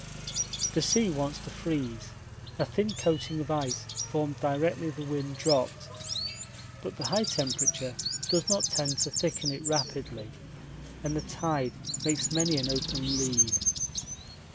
The sea wants to freeze a thin coating of ice formed directly the wind dropped; but the high temperature does not tend to thicken it rapidly and the tide makes many an open lead.